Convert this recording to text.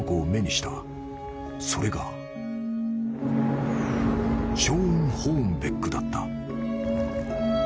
［それがショーン・ホーンベックだった］